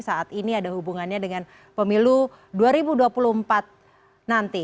saat ini ada hubungannya dengan pemilu dua ribu dua puluh empat nanti